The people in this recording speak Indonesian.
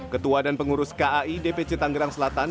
ketua dan pengurus kai dpc tanggerang selatan